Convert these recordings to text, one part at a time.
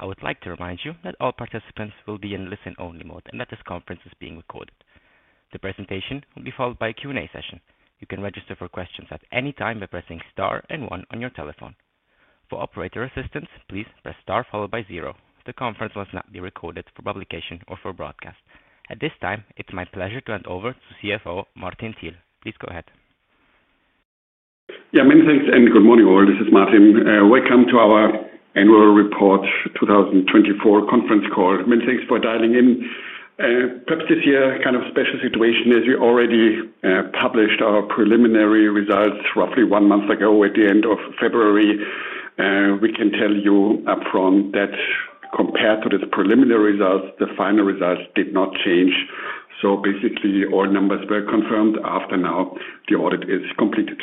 I would like to remind you that all participants will be in listen-only mode and that this conference is being recorded. The presentation will be followed by a Q&A session. You can register for questions at any time by pressing star and one on your telephone. For operator assistance, please press star followed by zero. The conference will not be recorded for publication or for broadcast. At this time, it's my pleasure to hand over to CFO Martin Thiel. Please go ahead. Yeah, many thanks and good morning all. This is Martin. Welcome to our annual report 2024 conference call. Many thanks for dialing in. Perhaps this year, kind of special situation as we already published our preliminary results roughly one month ago at the end of February. We can tell you upfront that compared to these preliminary results, the final results did not change. Basically, all numbers were confirmed after now the audit is completed.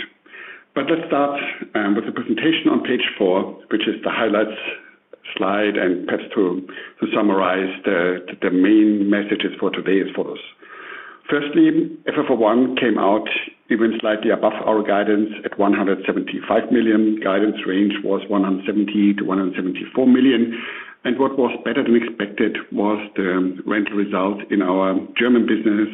Let's start with the presentation on page four, which is the highlights slide. Perhaps to summarize the main messages for today's photos. Firstly, FFO1 came out even slightly above our guidance at 175 million. Guidance range was 170-174 million. What was better than expected was the rental results in our German business.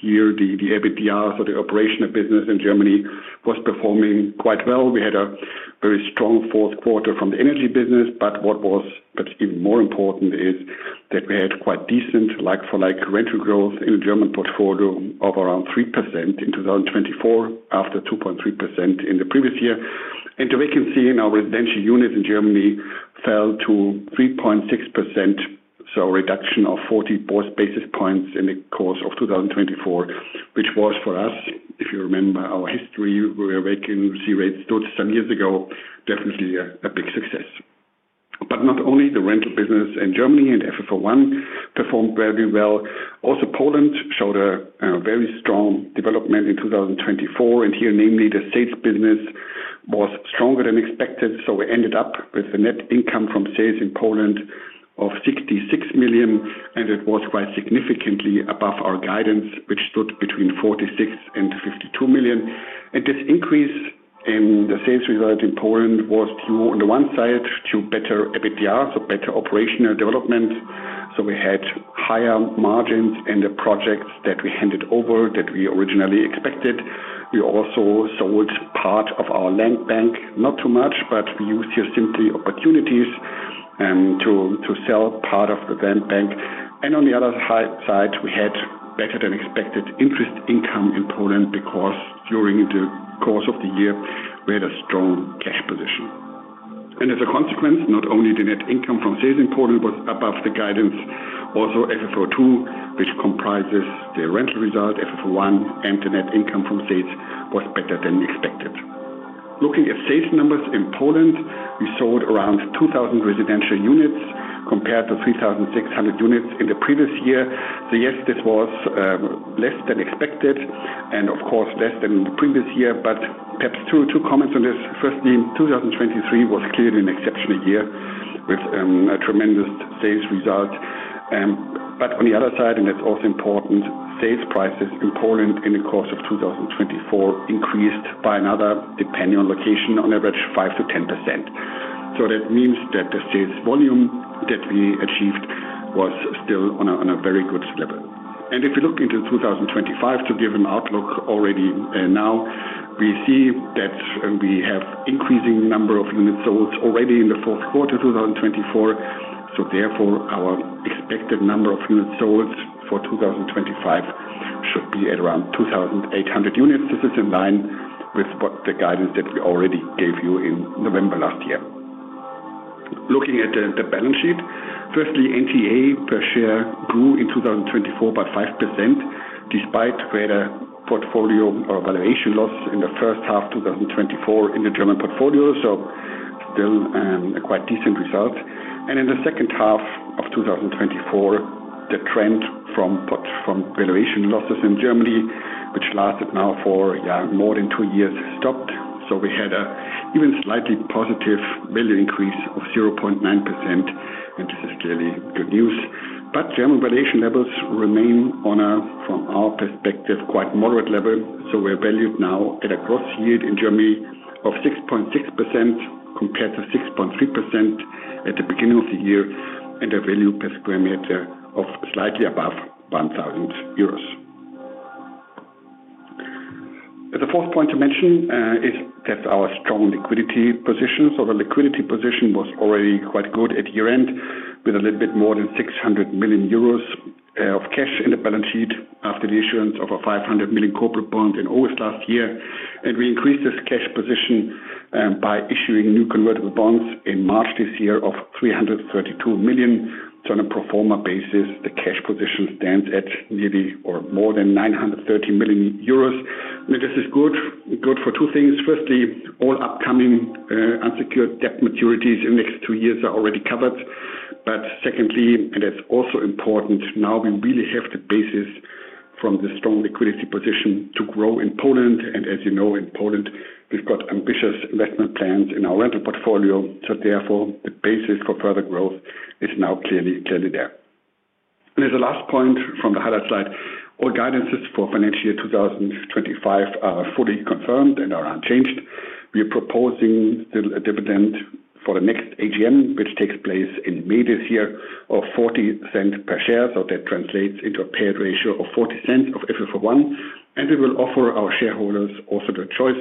Here, the EBITDA, so the operational business in Germany, was performing quite well. We had a very strong fourth quarter from the energy business. What was perhaps even more important is that we had quite decent like-for-like rental growth in the German portfolio of around 3% in 2024 after 2.3% in the previous year. The vacancy in our residential units in Germany fell to 3.6%, a reduction of 40 basis points in the course of 2024, which was for us, if you remember our history, where vacancy rates stood some years ago, definitely a big success. Not only the rental business in Germany and FFO1 performed very well. Poland showed a very strong development in 2024. Here, namely, the sales business was stronger than expected. We ended up with the net income from sales in Poland of 66 million. It was quite significantly above our guidance, which stood between 46 million and 52 million. This increase in the sales result in Poland was due on the one side to better EBITDA, so better operational development. We had higher margins in the projects that we handed over than we originally expected. We also sold part of our land bank, not too much, but we used here simply opportunities to sell part of the land bank. On the other side, we had better than expected interest income in Poland because during the course of the year, we had a strong cash position. As a consequence, not only the net income from sales in Poland was above the guidance, also FFO2, which comprises the rental result, FFO1, and the net income from sales, was better than expected. Looking at sales numbers in Poland, we sold around 2,000 residential units compared to 3,600 units in the previous year. Yes, this was less than expected and of course less than the previous year. Perhaps two comments on this. Firstly, 2023 was clearly an exceptional year with a tremendous sales result. On the other side, and that's also important, sales prices in Poland in the course of 2024 increased by another, depending on location, on average 5%-10%. That means that the sales volume that we achieved was still on a very good level. If we look into 2025 to give an outlook already now, we see that we have an increasing number of units sold already in the fourth quarter of 2024. Therefore, our expected number of units sold for 2025 should be at around 2,800 units. This is in line with the guidance that we already gave you in November last year. Looking at the balance sheet, firstly, NTA per share grew in 2024 by 5% despite greater portfolio or valuation loss in the first half of 2024 in the German portfolio. Still a quite decent result. In the second half of 2024, the trend from valuation losses in Germany, which lasted now for more than two years, stopped. We had an even slightly positive value increase of 0.9%. This is clearly good news. German valuation levels remain on a, from our perspective, quite moderate level. We're valued now at a gross yield in Germany of 6.6% compared to 6.3% at the beginning of the year, and the value per square meter of slightly above 1,000 euros. The fourth point to mention is that our strong liquidity position. The liquidity position was already quite good at year-end with a little bit more than 600 million euros of cash in the balance sheet after the issuance of a 500 million corporate bond in August last year. We increased this cash position by issuing new convertible bonds in March this year of 332 million. On a pro forma basis, the cash position stands at nearly or more than 930 million euros. This is good for two things. Firstly, all upcoming unsecured debt maturities in the next two years are already covered. Secondly, and that's also important, now we really have the basis from the strong liquidity position to grow in Poland. As you know, in Poland, we've got ambitious investment plans in our rental portfolio. Therefore, the basis for further growth is now clearly there. As a last point from the highlight slide, all guidances for financial year 2025 are fully confirmed and are unchanged. We are proposing a dividend for the next AGM, which takes place in May this year, of 0.40 per share. That translates into a payout ratio of 0.40 of FFO1. We will offer our shareholders also the choice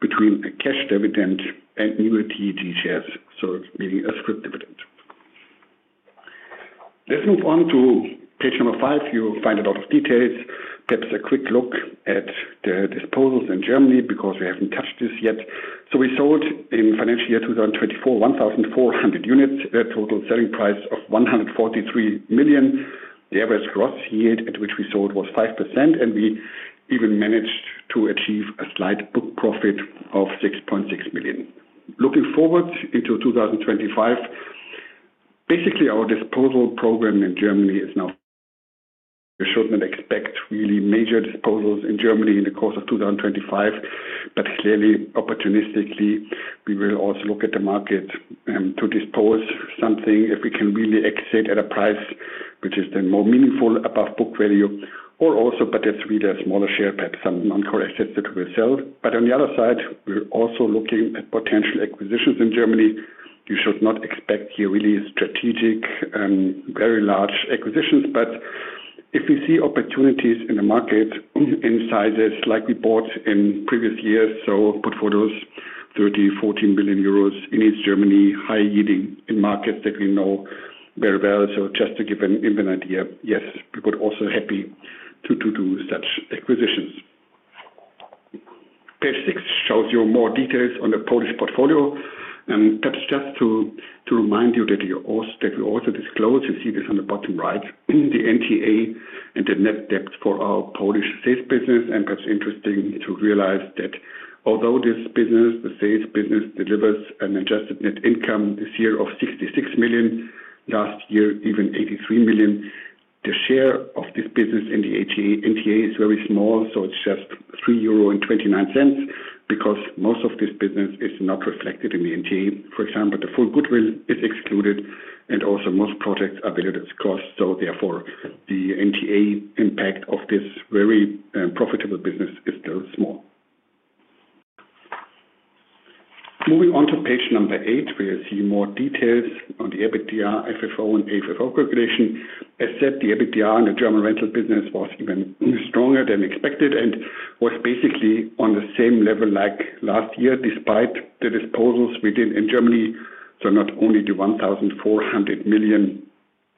between a cash dividend and new TAG shares, meaning a scrip dividend. Let's move on to page number five. You'll find a lot of details. Perhaps a quick look at the disposals in Germany because we haven't touched this yet. We sold in financial year 2024, 1,400 units, a total selling price of 143 million. The average gross yield at which we sold was 5%. We even managed to achieve a slight book profit of 6.6 million. Looking forward into 2025, basically our disposal program in Germany is now we should not expect really major disposals in Germany in the course of 2025. Clearly, opportunistically, we will also look at the market to dispose something if we can really exit at a price which is then more meaningful above book value. Also, but that is really a smaller share, perhaps some non-core assets that we will sell. On the other side, we are also looking at potential acquisitions in Germany. You should not expect here really strategic, very large acquisitions. If we see opportunities in the market in sizes like we bought in previous years, portfolios 30 million, 14 million euros in East Germany, high yielding in markets that we know very well. Just to give an even idea, yes, we would also be happy to do such acquisitions. Page six shows you more details on the Polish portfolio. Perhaps just to remind you that we also disclose, you see this on the bottom right, the NTA and the net debt for our Polish sales business. Perhaps interesting to realize that although this business, the sales business, delivers an adjusted net income this year of 66 million, last year even 83 million, the share of this business in the NTA is very small. It is just 3.29 euro because most of this business is not reflected in the NTA. For example, the full goodwill is excluded. Also, most projects are valued at its cost. Therefore, the NTA impact of this very profitable business is still small. Moving on to page number eight, where you see more details on the EBITDA, FFO, and AFFO calculation. As said, the EBITDA in the German rental business was even stronger than expected and was basically on the same level like last year despite the disposals we did in Germany. Not only the 1,400 units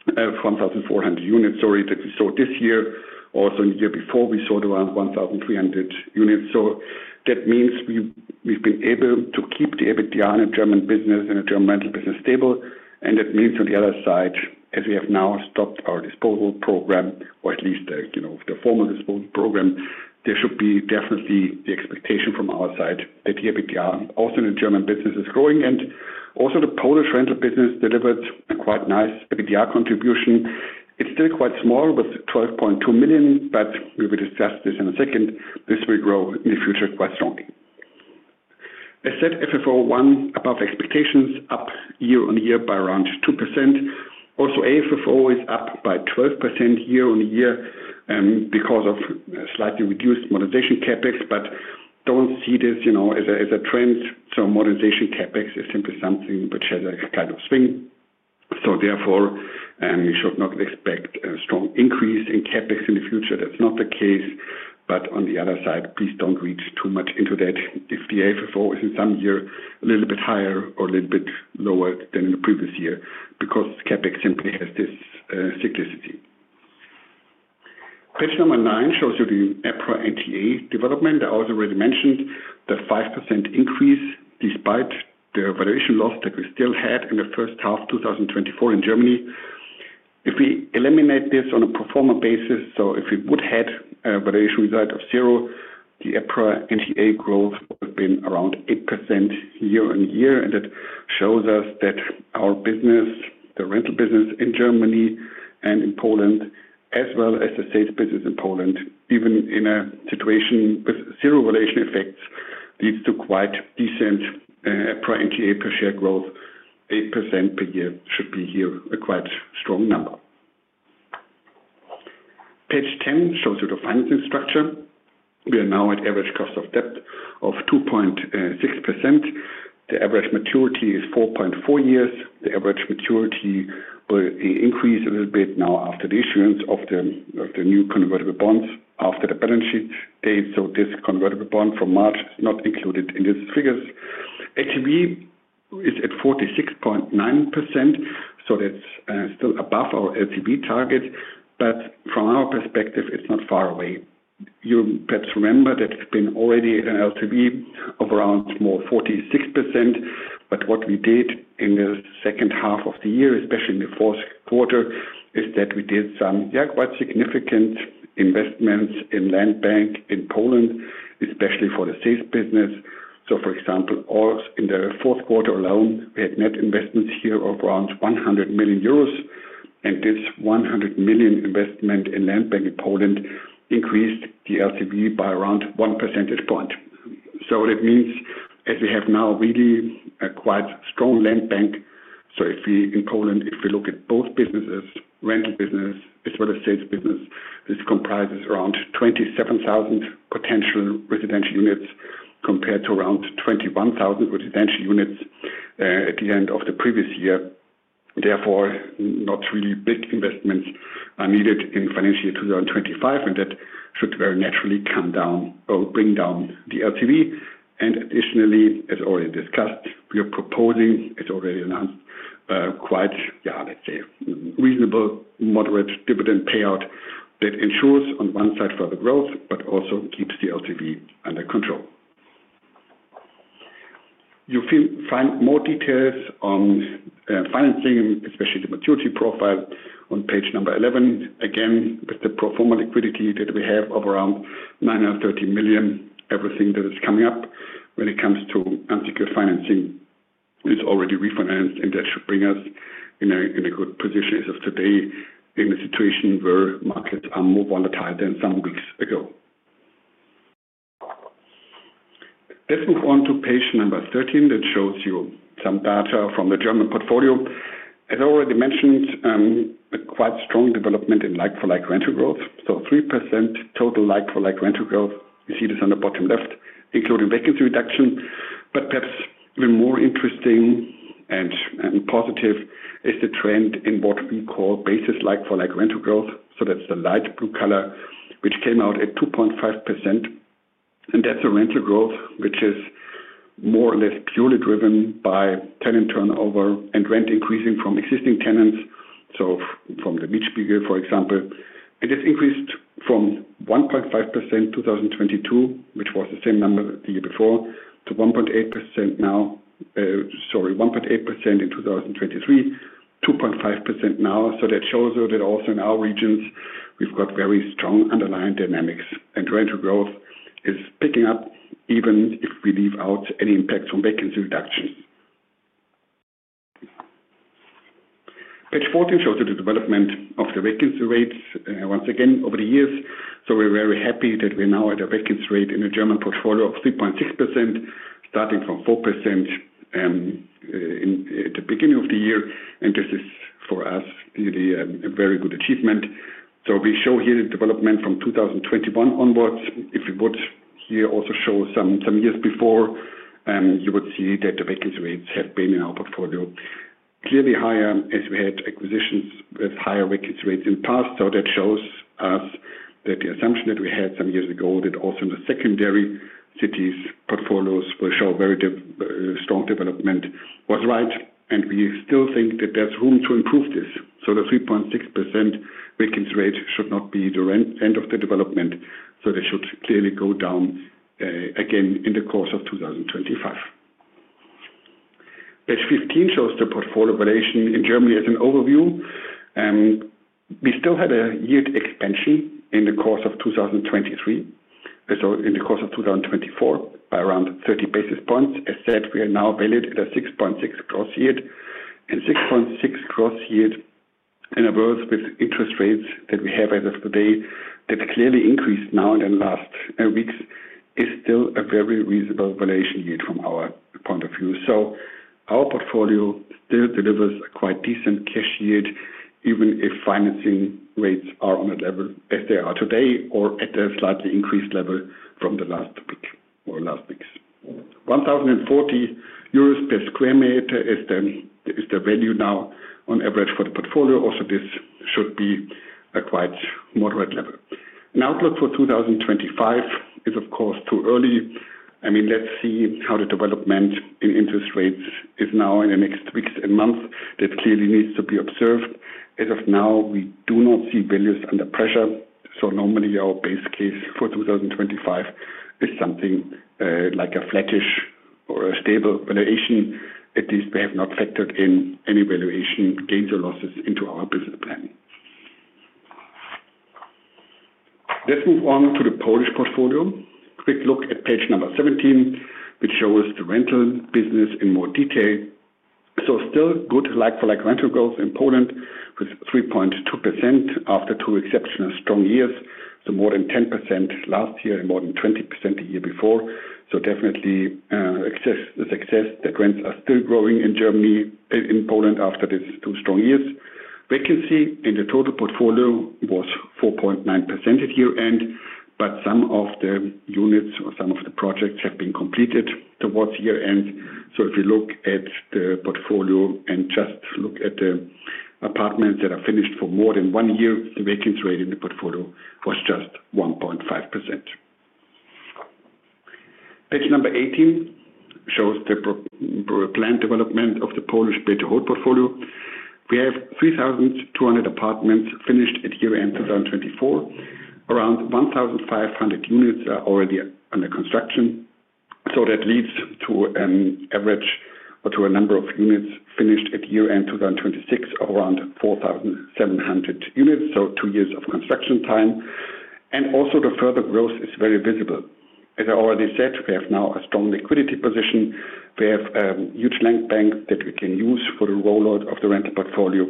that we saw this year, also in the year before, we saw around 1,300 units. That means we've been able to keep the EBITDA in the German business and the German rental business stable. That means on the other side, as we have now stopped our disposal program, or at least the formal disposal program, there should be definitely the expectation from our side that the EBITDA also in the German business is growing. Also the Polish rental business delivered a quite nice EBITDA contribution. It's still quite small, but 12.2 million. We will discuss this in a second. This will grow in the future quite strongly. As said, FFO1 above expectations, up year on year by around 2%. Also, AFFO is up by 12% year-on-year because of slightly reduced modernization CapEx. Do not see this as a trend. Modernization CapEx is simply something which has a kind of swing. Therefore, you should not expect a strong increase in CapEx in the future. That is not the case. On the other side, please do not read too much into that if the AFFO is in some year a little bit higher or a little bit lower than in the previous year because CapEx simply has this cyclicity. Page number nine shows you the EPRA NTA development. I also already mentioned the 5% increase despite the valuation loss that we still had in the first half of 2024 in Germany. If we eliminate this on a pro forma basis, if we would have a valuation result of zero, the EPRA NTA growth would have been around 8% year-on-year. That shows us that our business, the rental business in Germany and in Poland, as well as the sales business in Poland, even in a situation with zero valuation effects, leads to quite decent EPRA NTA per share growth. 8% per year should be here a quite strong number. Page 10 shows you the financing structure. We are now at average cost of debt of 2.6%. The average maturity is 4.4 years. The average maturity will increase a little bit now after the issuance of the new convertible bonds after the balance sheet date. This convertible bond from March is not included in these figures. LTV is at 46.9%. That is still above our LTV target. From our perspective, it's not far away. You perhaps remember that it's been already an LTV of around 46%. What we did in the second half of the year, especially in the fourth quarter, is that we did some, yeah, quite significant investments in land bank in Poland, especially for the sales business. For example, in the fourth quarter alone, we had net investments here of around 100 million euros. This 100 million investment in land bank in Poland increased the LTV by around one percentage point. That means we have now really a quite strong land bank. In Poland, if we look at both businesses, rental business as well as sales business, this comprises around 27,000 potential residential units compared to around 21,000 residential units at the end of the previous year. Therefore, not really big investments are needed in financial year 2025. That should very naturally come down or bring down the LTV. Additionally, as already discussed, we are proposing, as already announced, quite, yeah, let's say, reasonable moderate dividend payout that ensures on one side further growth, but also keeps the LTV under control. You find more details on financing, especially the maturity profile on page number 11. Again, with the pro forma liquidity that we have of around 930 million, everything that is coming up when it comes to unsecured financing is already refinanced. That should bring us in a good position as of today in a situation where markets are more volatile than some weeks ago. Let's move on to page number 13 that shows you some data from the German portfolio. As I already mentioned, a quite strong development in like-for-like rental growth. 3% total like-for-like rental growth. You see this on the bottom left, including vacancy reduction. Perhaps even more interesting and positive is the trend in what we call basis like-for-like rental growth. That is the light blue color, which came out at 2.5%. That is a rental growth which is more or less purely driven by tenant turnover and rent increasing from existing tenants. From the Mietspiegel, for example. It has increased from 1.5% in 2022, which was the same number the year before, to 1.8% in 2023, 2.5% now. That shows you that also in our regions, we have very strong underlying dynamics. Rental growth is picking up even if we leave out any impacts from vacancy reductions. Page 14 shows you the development of the vacancy rates once again over the years. We are very happy that we are now at a vacancy rate in the German portfolio of 3.6%, starting from 4% at the beginning of the year. This is for us really a very good achievement. We show here the development from 2021 onwards. If we would here also show some years before, you would see that the vacancy rates have been in our portfolio clearly higher as we had acquisitions with higher vacancy rates in the past. That shows us that the assumption that we had some years ago that also in the secondary cities portfolios will show very strong development was right. We still think that there is room to improve this. The 3.6% vacancy rate should not be the end of the development. They should clearly go down again in the course of 2025. Page 15 shows the portfolio valuation in Germany as an overview. We still had a yield expansion in the course of 2023, so in the course of 2024, by around 30 basis points. As said, we are now valued at a 6.6% gross yield. And 6.6% gross yield in a world with interest rates that we have as of today that clearly increased now in the last weeks is still a very reasonable valuation yield from our point of view. So our portfolio still delivers a quite decent cash yield, even if financing rates are on a level as they are today or at a slightly increased level from the last week or last weeks. 1,040 euros per sq m is the value now on average for the portfolio. Also, this should be a quite moderate level. An outlook for 2025 is, of course, too early. I mean, let's see how the development in interest rates is now in the next weeks and months. That clearly needs to be observed. As of now, we do not see values under pressure. Normally, our base case for 2025 is something like a flattish or a stable valuation. At least we have not factored in any valuation gains or losses into our business plan. Let's move on to the Polish portfolio. Quick look at page number 17, which shows the rental business in more detail. Still good like-for-like rental growth in Poland with 3.2% after two exceptionally strong years. More than 10% last year and more than 20% the year before. Definitely success that rents are still growing in Germany and in Poland after these two strong years. Vacancy in the total portfolio was 4.9% at year-end, but some of the units or some of the projects have been completed towards year-end. If you look at the portfolio and just look at the apartments that are finished for more than one year, the vacancy rate in the portfolio was just 1.5%. Page number 18 shows the planned development of the Polish Build-to-Hold portfolio. We have 3,200 apartments finished at year-end 2024. Around 1,500 units are already under construction. That leads to an average or to a number of units finished at year-end 2026 of around 4,700 units. Two years of construction time. Also the further growth is very visible. As I already said, we have now a strong liquidity position. We have a huge land bank that we can use for the rollout of the rental portfolio.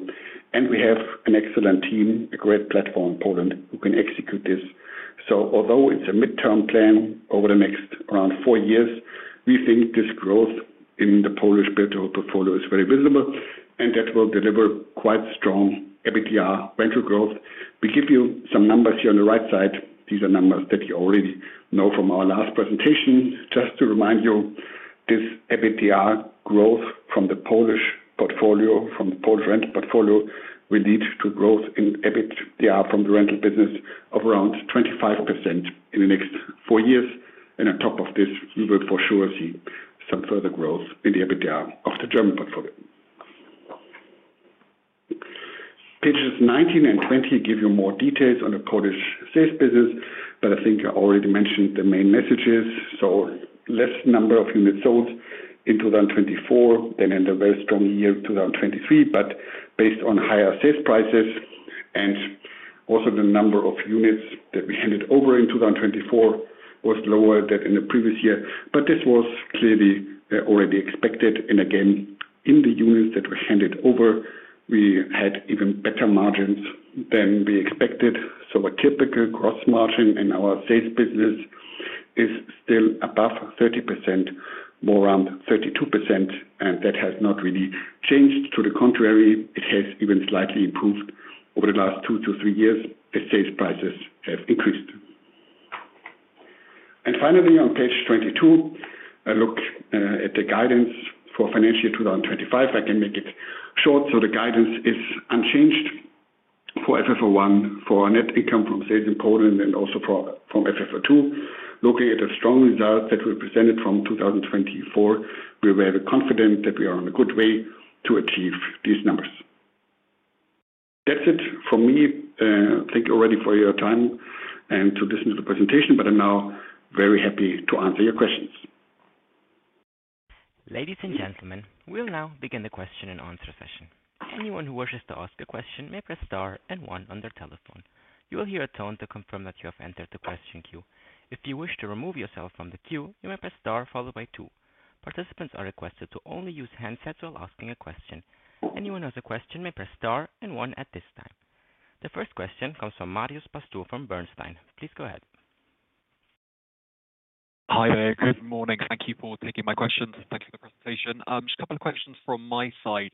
We have an excellent team, a great platform in Poland, who can execute this. Although it is a midterm plan over the next around four years, we think this growth in the Polish Build-to-Hold portfolio is very visible. That will deliver quite strong EBITDA rental growth. We give you some numbers here on the right side. These are numbers that you already know from our last presentation. Just to remind you, this EBITDA growth from the Polish portfolio, from the Polish rental portfolio, will lead to growth in EBITDA from the rental business of around 25% in the next four years. On top of this, we will for sure see some further growth in the EBITDA of the German portfolio. Pages 19 and 20 give you more details on the Polish sales business. I think I already mentioned the main messages. Less number of units sold in 2024 than in the very strong year 2023, but based on higher sales prices. Also the number of units that we handed over in 2024 was lower than in the previous year. This was clearly already expected. Again, in the units that were handed over, we had even better margins than we expected. A typical gross margin in our sales business is still above 30%, more around 32%. That has not really changed. To the contrary, it has even slightly improved over the last two-three years as sales prices have increased. Finally, on page 22, a look at the guidance for financial year 2025. I can make it short. The guidance is unchanged for FFO1, for net income from sales in Poland, and also from FFO2. Looking at the strong results that we presented from 2024, we are very confident that we are on a good way to achieve these numbers. That is it from me. Thank you already for your time and to listen to the presentation. I am now very happy to answer your questions. Ladies and gentlemen, we will now begin the question and answer session. Anyone who wishes to ask a question may press star and one on their telephone. You will hear a tone to confirm that you have entered the question queue. If you wish to remove yourself from the queue, you may press star followed by two. Participants are requested to only use handsets while asking a question. Anyone who has a question may press star and one at this time. The first question comes from Marius Poetzsch from Bernstein. Please go ahead. Hi, good morning. Thank you for taking my questions. Thank you for the presentation. Just a couple of questions from my side.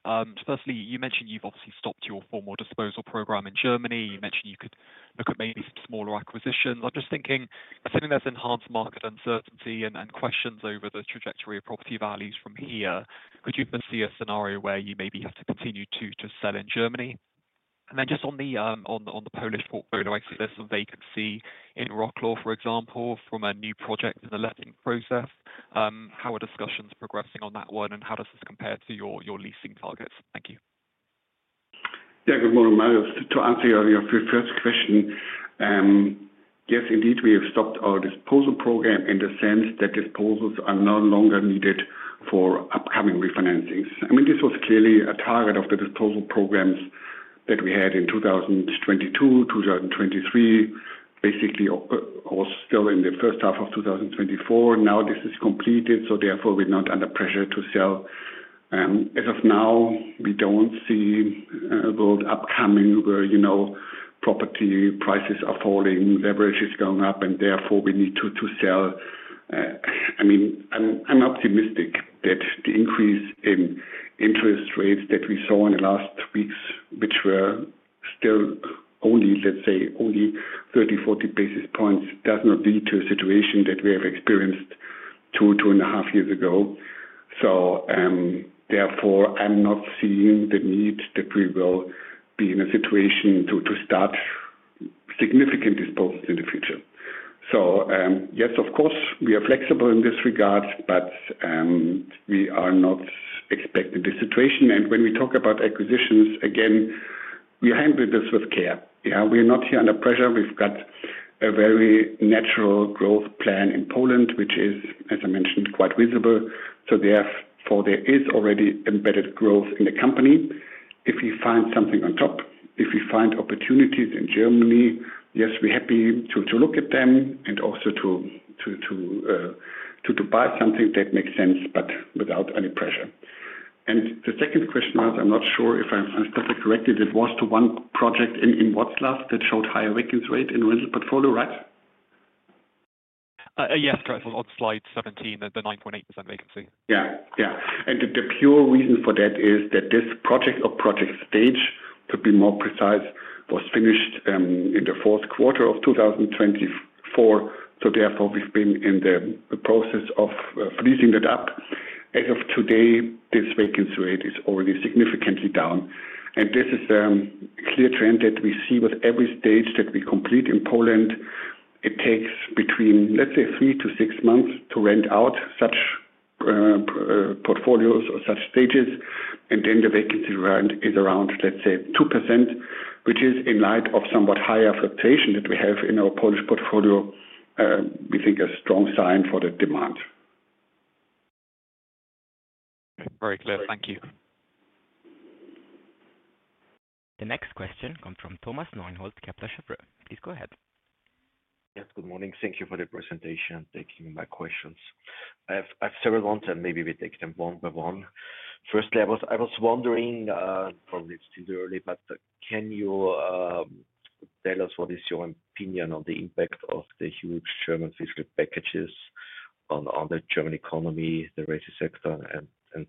Firstly, you mentioned you've obviously stopped your formal disposal program in Germany. You mentioned you could look at maybe some smaller acquisitions. I'm just thinking, assuming there's enhanced market uncertainty and questions over the trajectory of property values from here, could you foresee a scenario where you maybe have to continue to sell in Germany? Just on the Polish portfolio, I see there's some vacancy in Wrocław, for example, from a new project in the lending process. How are discussions progressing on that one? How does this compare to your leasing targets? Thank you. Yeah, good morning, Marius. To answer your first question, yes, indeed, we have stopped our disposal program in the sense that disposals are no longer needed for upcoming refinancings. I mean, this was clearly a target of the disposal programs that we had in 2022, 2023. Basically, I was still in the first half of 2024. Now this is completed. Therefore, we're not under pressure to sell. As of now, we don't see a world upcoming where property prices are falling, leverage is going up, and therefore we need to sell. I mean, I'm optimistic that the increase in interest rates that we saw in the last weeks, which were still only, let's say, only 30-40 basis points, does not lead to a situation that we have experienced two-two and a half years ago. Therefore, I'm not seeing the need that we will be in a situation to start significant disposals in the future. Yes, of course, we are flexible in this regard, but we are not expecting this situation. When we talk about acquisitions, again, we handle this with care. Yeah, we're not here under pressure. We've got a very natural growth plan in Poland, which is, as I mentioned, quite visible. Therefore, there is already embedded growth in the company. If we find something on top, if we find opportunities in Germany, yes, we're happy to look at them and also to buy something that makes sense but without any pressure. The second question was, I'm not sure if I understood it correctly, that was to one project in Wrocław that showed higher vacancy rate in the rental portfolio, right? Yes, correct. On slide 17, the 9.8% vacancy. Yeah, yeah. The pure reason for that is that this project or project stage, to be more precise, was finished in the fourth quarter of 2024. Therefore, we've been in the process of freezing that up. As of today, this vacancy rate is already significantly down. This is a clear trend that we see with every stage that we complete in Poland. It takes between, let's say, three-six months to rent out such portfolios or such stages. The vacancy rate is around, let's say, 2%, which is in light of somewhat higher fluctuation that we have in our Polish portfolio. We think a strong sign for the demand. Very clear. Thank you. The next question comes from Thomas Neuhold, Kepler Cheuvreux. Please go ahead. Yes, good morning. Thank you for the presentation. Taking my questions. I have several ones, and maybe we take them one by one. Firstly, I was wondering, probably it's too early, but can you tell us what is your opinion on the impact of the huge German fiscal packages on the German economy, the retail sector, and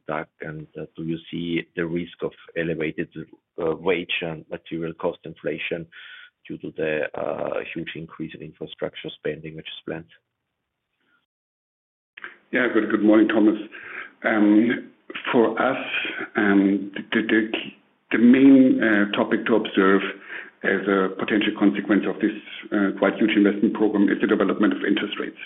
TAG? Do you see the risk of elevated wage and material cost inflation due to the huge increase in infrastructure spending, which is planned? Yeah, good morning, Thomas. For us, the main topic to observe as a potential consequence of this quite huge investment program is the development of interest rates.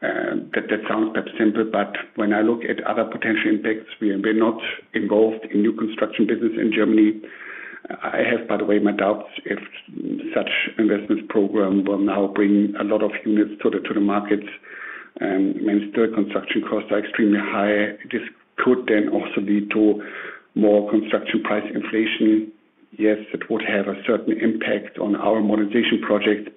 That sounds perhaps simple, but when I look at other potential impacts, we are not involved in new construction business in Germany. I have, by the way, my doubts if such investment program will now bring a lot of units to the markets. Still, construction costs are extremely high. This could then also lead to more construction price inflation. Yes, it would have a certain impact on our modernization projects.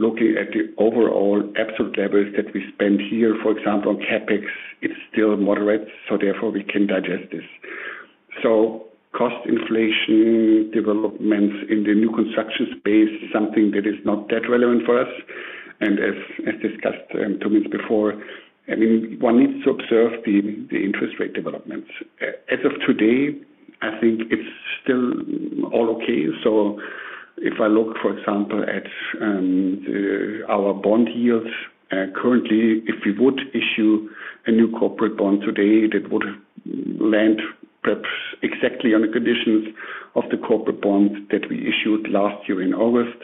Looking at the overall absolute levels that we spend here, for example, on CapEx, it is still moderate. Therefore, we can digest this. Cost inflation developments in the new construction space is something that is not that relevant for us. As discussed two minutes before, I mean, one needs to observe the interest rate developments. As of today, I think it is still all okay. If I look, for example, at our bond yields currently, if we would issue a new corporate bond today, that would land perhaps exactly on the conditions of the corporate bond that we issued last year in August.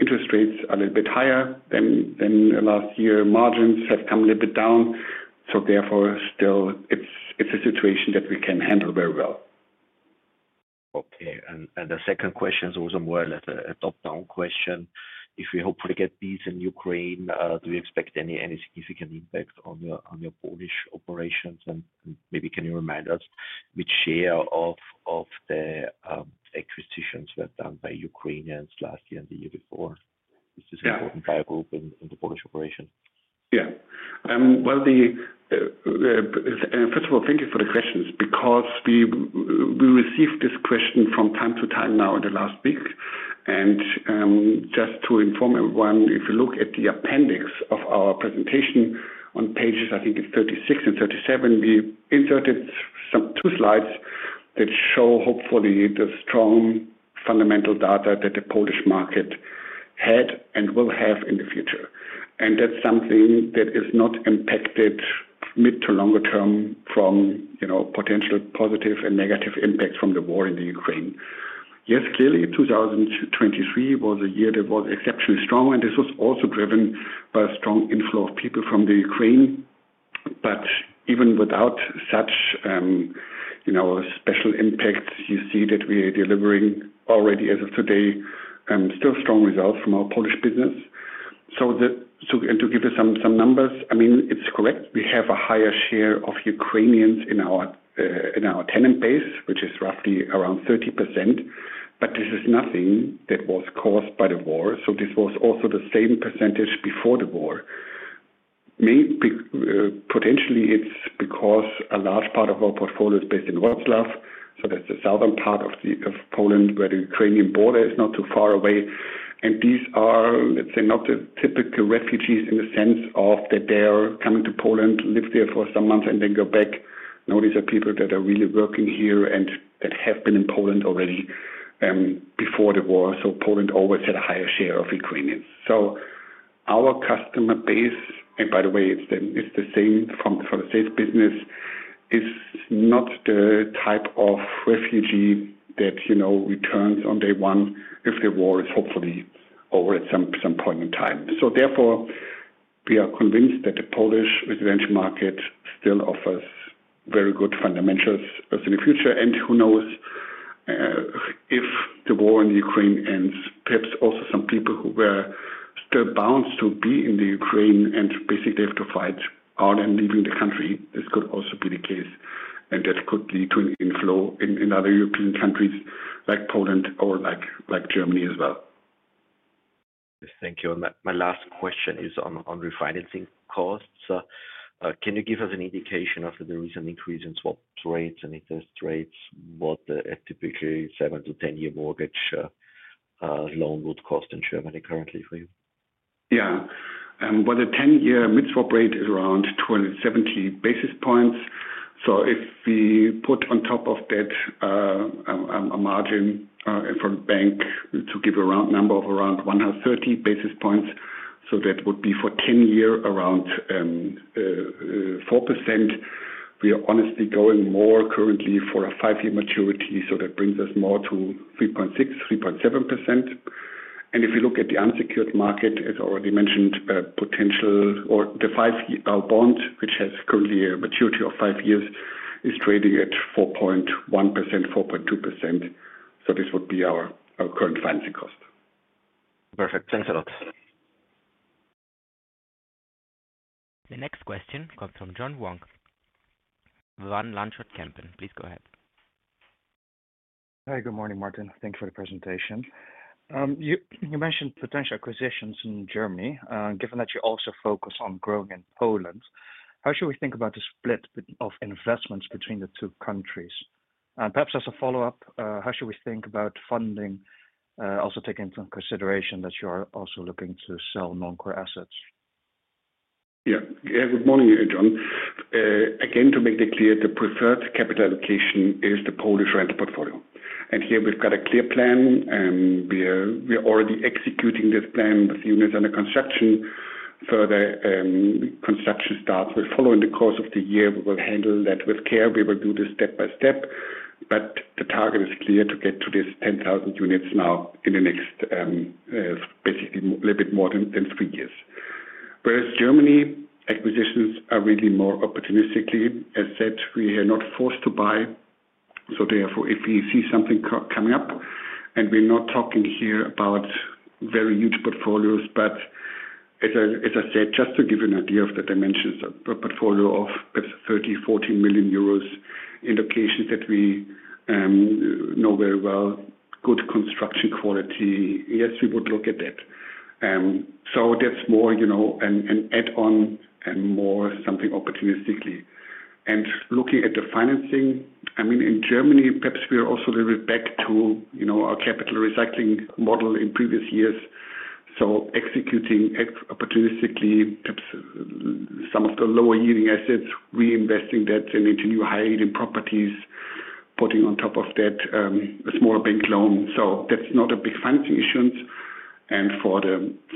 Interest rates are a little bit higher than last year. Margins have come a little bit down. Therefore, still, it is a situation that we can handle very well. Okay. The second question is also more of a top-down question. If we hopefully get peace in Ukraine, do you expect any significant impact on your Polish operations? And maybe can you remind us which share of the acquisitions were done by Ukrainians last year and the year before? Is this important by a group in the Polish operation? Yeah. First of all, thank you for the questions because we receive this question from time to time now in the last week. Just to inform everyone, if you look at the appendix of our presentation on pages, I think it is 36 and 37, we inserted two slides that show, hopefully, the strong fundamental data that the Polish market had and will have in the future. That is something that is not impacted mid to longer term from potential positive and negative impacts from the war in Ukraine. Yes, clearly, 2023 was a year that was exceptionally strong. This was also driven by a strong inflow of people from Ukraine. Even without such special impacts, you see that we are delivering already as of today still strong results from our Polish business. To give you some numbers, I mean, it's correct. We have a higher share of Ukrainians in our tenant base, which is roughly around 30%. This is nothing that was caused by the war. This was also the same percentage before the war. Potentially, it's because a large part of our portfolio is based in Wrocław. That's the southern part of Poland where the Ukrainian border is not too far away. These are, let's say, not the typical refugees in the sense of that they're coming to Poland, live there for some months, and then go back. Now, these are people that are really working here and that have been in Poland already before the war. Poland always had a higher share of Ukrainians. Our customer base, and by the way, it's the same for the sales business, is not the type of refugee that returns on day one if the war is hopefully over at some point in time. Therefore, we are convinced that the Polish residential market still offers very good fundamentals in the future. Who knows if the war in Ukraine ends, perhaps also some people who were still bound to be in the Ukraine and basically have to fight out and leaving the country. This could also be the case. That could lead to an inflow in other European countries like Poland or like Germany as well. Thank you. My last question is on refinancing costs. Can you give us an indication of the recent increase in swap rates and interest rates? What a typically 7 to 10-year mortgage loan would cost in Germany currently for you? Yeah. The 10-year mid-swap rate is around 270 basis points. If we put on top of that a margin for the bank to give a round number of around 130 basis points, that would be for 10-year around 4%. We are honestly going more currently for a 5-year maturity. That brings us more to 3.6%-3.7%. If you look at the unsecured market, as already mentioned, potential or the 5-year bond, which has currently a maturity of 5 years, is trading at 4.1%-4.2%. This would be our current financing cost. Perfect. Thanks a lot. The next question comes from John Vuong, Van Lanschot Kempen. Please go ahead. Hi, good morning, Martin. Thank you for the presentation. You mentioned potential acquisitions in Germany. Given that you also focus on growing in Poland, how should we think about the split of investments between the two countries? Perhaps as a follow-up, how should we think about funding, also taking into consideration that you are also looking to sell non-core assets? Yeah. Good morning, John. Again, to make it clear, the preferred capital allocation is the Polish rental portfolio. And here, we've got a clear plan. We are already executing this plan with units under construction. Further construction starts are following the course of the year. We will handle that with care. We will do this step by step. The target is clear to get to this 10,000 units now in the next, basically, a little bit more than three years. Whereas Germany acquisitions are really more opportunistically, as said, we are not forced to buy. Therefore, if we see something coming up, and we're not talking here about very huge portfolios, but as I said, just to give you an idea of the dimensions, a portfolio of perhaps 30 million-40 million euros in locations that we know very well, good construction quality. Yes, we would look at that. That's more an add-on and more something opportunistically. Looking at the financing, I mean, in Germany, perhaps we are also a little bit back to our capital recycling model in previous years. Executing opportunistically, perhaps some of the lower-yielding assets, reinvesting that into new high-yielding properties, putting on top of that a small bank loan. That's not a big financing issuance.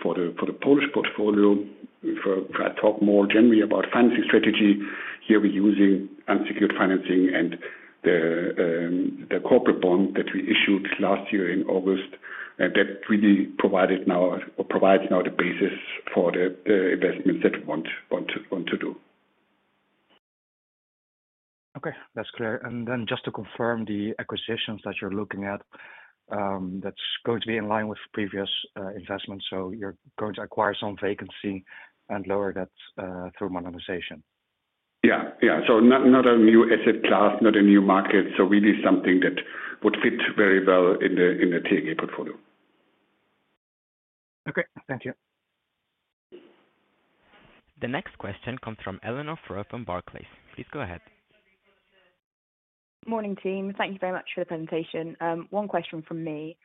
For the Polish portfolio, if I talk more generally about financing strategy, here we're using unsecured financing and the corporate bond that we issued last year in August. That really provides now the basis for the investments that we want to do. Okay. That's clear. Just to confirm the acquisitions that you're looking at, that's going to be in line with previous investments. You're going to acquire some vacancy and lower that through modernization. Yeah, yeah. Not a new asset class, not a new market. Really something that would fit very well in the TAG portfolio. Okay. Thank you. The next question comes from Eleanor Frove from Barclays. Please go ahead. Morning, team. Thank you very much for the presentation. One question from me.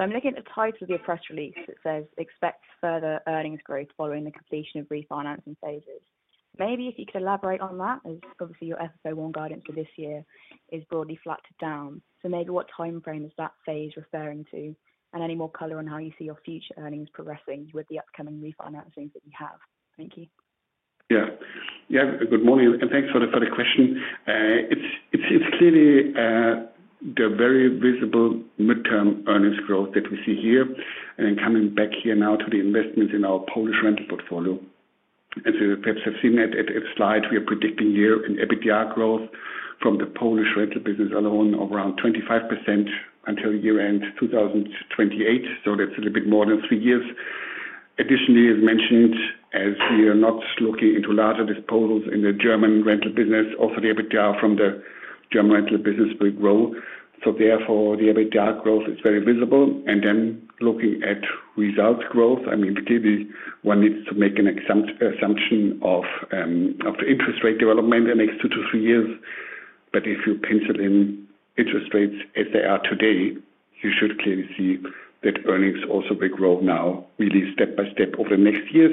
I'm looking at the title of your press release that says, "Expect further earnings growth following the completion of refinancing phases." Maybe if you could elaborate on that, as obviously your FFO1 guidance for this year is broadly flat and down. Maybe what timeframe is that phase referring to? Any more color on how you see your future earnings progressing with the upcoming refinancings that you have? Thank you. Yeah, good morning. Thanks for the question. It's clearly the very visible midterm earnings growth that we see here. Coming back here now to the investments in our Polish rental portfolio. As you perhaps have seen at the slide, we are predicting year-on-year growth from the Polish rental business alone of around 25% until year-end 2028. That's a little bit more than three years. Additionally, as mentioned, as we are not looking into larger disposals in the German rental business, also the EBITDA from the German rental business will grow. Therefore, the EBITDA growth is very visible. I mean, clearly, one needs to make an assumption of interest rate development in the next two-three years. If you pencil in interest rates as they are today, you should clearly see that earnings also will grow now, really step by step over the next years.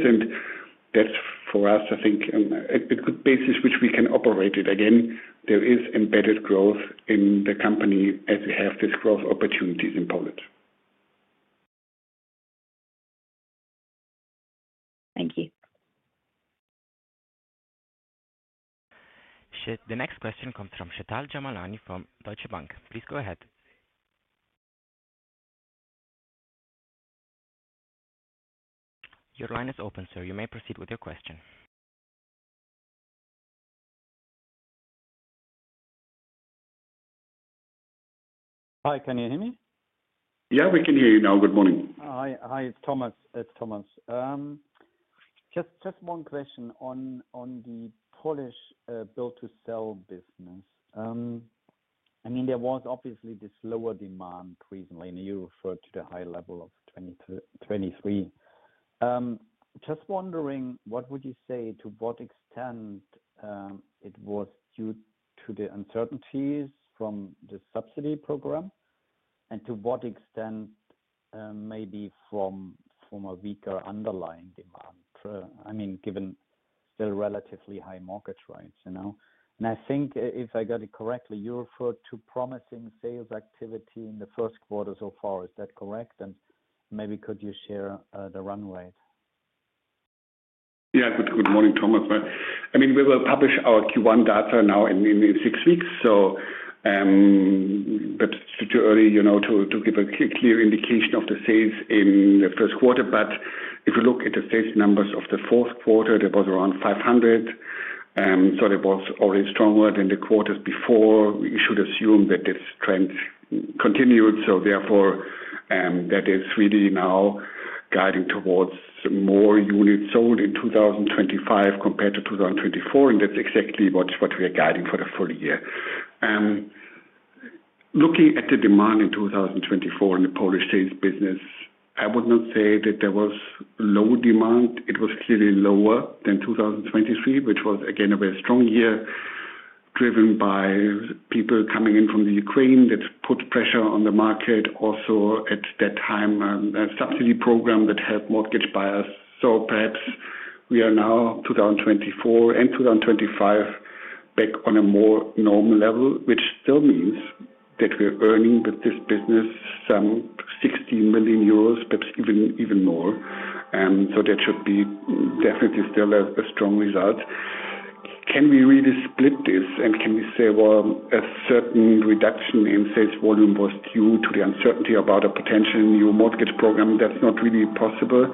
That is for us, I think, a good basis which we can operate it. Again, there is embedded growth in the company as we have these growth opportunities in Poland. Thank you. The next question comes from Sheetal Jaimalani from Deutsche Bank. Please go ahead. Your line is open, sir. You may proceed with your question. Hi, can you hear me? Yeah, we can hear you now. Good morning. Hi, it's Thomas. It's Thomas. Just one question on the Polish build-to-sell business. I mean, there was obviously this lower demand recently. And you referred to the high level of 2023. Just wondering, what would you say to what extent it was due to the uncertainties from the subsidy program? And to what extent maybe from a weaker underlying demand? I mean, given still relatively high mortgage rates. And I think, if I got it correctly, you referred to promising sales activity in the first quarter so far. Is that correct? And maybe could you share the run rate? Yeah. Good morning, Thomas. I mean, we will publish our Q1 data now in six weeks. So perhaps it's too early to give a clear indication of the sales in the first quarter. If you look at the sales numbers of the fourth quarter, there was around 500 million. It was already stronger than the quarters before. We should assume that this trend continued. Therefore, that is really now guiding towards more units sold in 2025 compared to 2024. That is exactly what we are guiding for the full year. Looking at the demand in 2024 in the Polish sales business, I would not say that there was low demand. It was clearly lower than 2023, which was, again, a very strong year driven by people coming in from Ukraine that put pressure on the market. Also, at that time, a subsidy program helped mortgage buyers. Perhaps we are now, 2024 and 2025, back on a more normal level, which still means that we are earning with this business some 60 million euros, perhaps even more. That should be definitely still a strong result. Can we really split this? Can we say, well, a certain reduction in sales volume was due to the uncertainty about a potential new mortgage program? That is not really possible.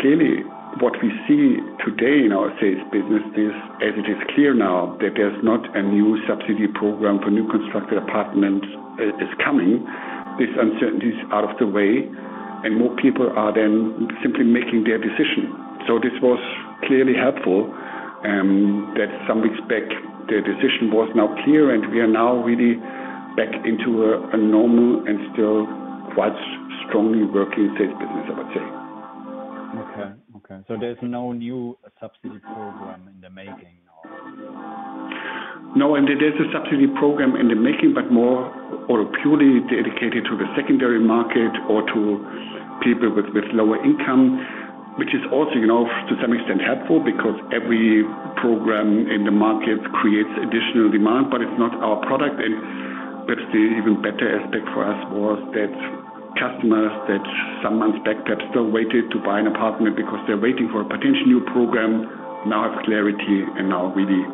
Clearly, what we see today in our sales business is, as it is clear now, that there is not a new subsidy program for new constructed apartments that is coming. This uncertainty is out of the way. More people are then simply making their decision. This was clearly helpful that some weeks back, the decision was now clear. We are now really back into a normal and still quite strongly working sales business, I would say. Okay. Okay. There is no new subsidy program in the making now? No, and there's a subsidy program in the making, but more purely dedicated to the secondary market or to people with lower income, which is also to some extent helpful because every program in the market creates additional demand, but it's not our product. Perhaps the even better aspect for us was that customers that some months back perhaps still waited to buy an apartment because they're waiting for a potential new program now have clarity and now really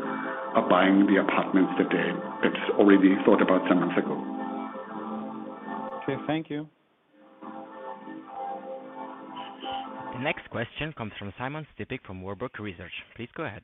are buying the apartments that they already thought about some months ago. Okay. Thank you. The next question comes from Simon Stippig from Warburg Research. Please go ahead.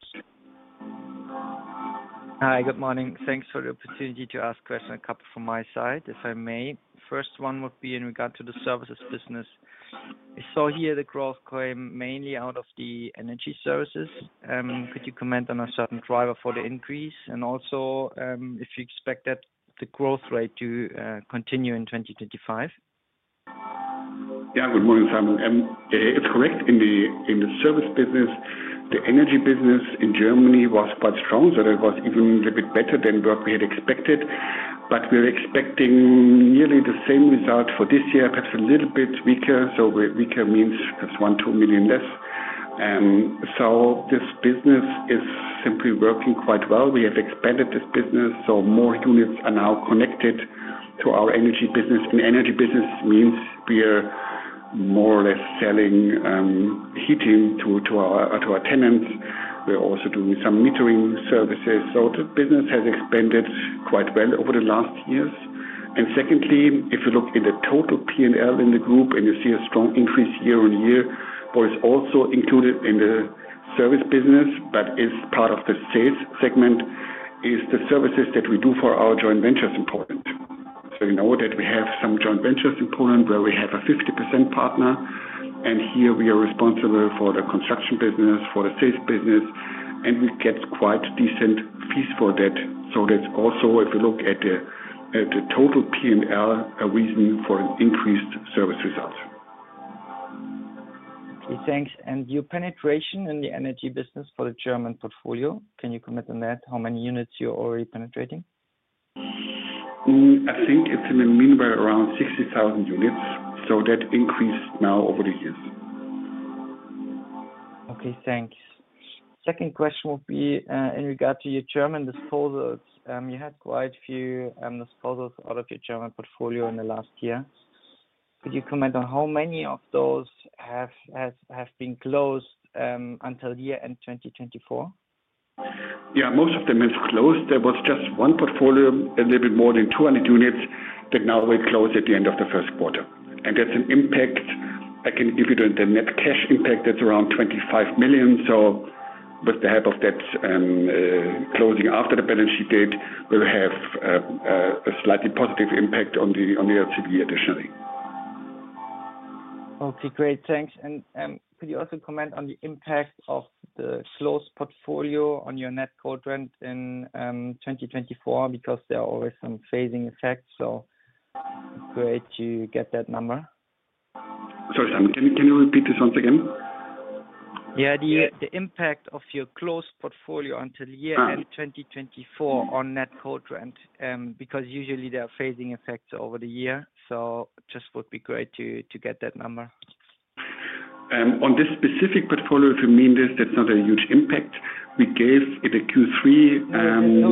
Hi, good morning. Thanks for the opportunity to ask a question, a couple from my side, if I may. First one would be in regard to the services business. I saw here the growth came mainly out of the energy services. Could you comment on a certain driver for the increase? And also, if you expect that the growth rate to continue in 2025? Yeah. Good morning, Simon. It's correct. In the service business, the energy business in Germany was quite strong. That was even a little bit better than what we had expected. We are expecting nearly the same result for this year, perhaps a little bit weaker. Weaker means perhaps 1 million-2 million less. This business is simply working quite well. We have expanded this business. More units are now connected to our energy business. Energy business means we are more or less selling heating to our tenants. We are also doing some metering services. The business has expanded quite well over the last years. If you look in the total P&L in the group and you see a strong increase year-on-year, what is also included in the service business, but is part of the sales segment, is the services that we do for our joint ventures in Poland. We know that we have some joint ventures in Poland where we have a 50% partner. Here, we are responsible for the construction business, for the sales business. We get quite decent fees for that. If you look at the total P&L, that is also a reason for an increased service result. Thanks. Your penetration in the energy business for the German portfolio, can you comment on that? How many units you are already penetrating? I think it is in the meanwhile around 60,000 units. That increased now over the years. Okay. Thanks. Second question would be in regard to your German disposals. You had quite a few disposals out of your German portfolio in the last year. Could you comment on how many of those have been closed until year-end 2024? Yeah. Most of them have closed. There was just one portfolio, a little bit more than 200 units that now were closed at the end of the first quarter. And that's an impact I can give you the net cash impact that's around 25 million. With the help of that closing after the balance sheet date, we will have a slightly positive impact on the LTV additionally. Okay. Great. Thanks. Could you also comment on the impact of the closed portfolio on your net cold rent in 2024? Because there are always some phasing effects. Great to get that number. Sorry, Simon. Can you repeat this once again? Yeah. The impact of your closed portfolio until year-end 2024 on net cold rent, because usually there are phasing effects over the year. It just would be great to get that number. On this specific portfolio, if you mean this, that's not a huge impact. We gave it at Q3.